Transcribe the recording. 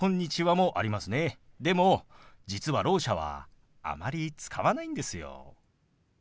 でも実はろう者はあまり使わないんですよ。